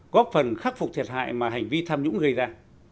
góp phần khắc phục thiệt hại mà hành vi tham nhũng gây ra